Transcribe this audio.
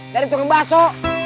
dari tukang baso